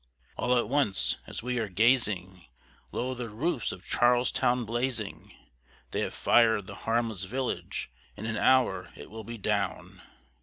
All at once, as we are gazing, lo the roofs of Charlestown blazing! They have fired the harmless village; in an hour it will be down!